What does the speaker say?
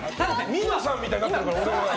みのさんみたいになってるよ！